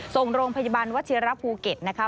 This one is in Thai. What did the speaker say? ส่งโรงพยาบาลวัชเชียรัพย์ภูเก็ตนะฮะ